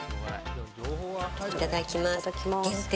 いただきます。